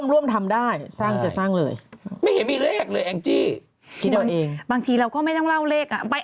ร่วมทำได้สร้างจะสร้างเลย